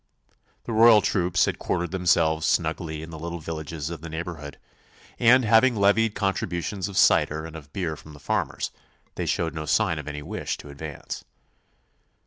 The Royal troops had quartered themselves snugly in the little villages of the neighbourhood, and having levied contributions of cider and of beer from the farmers, they showed no sign of any wish to advance.